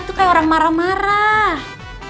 itu kayak orang marah marah